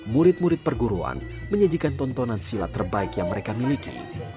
murid murid perguruan menyajikan tontonan silat terbaik yang mereka miliki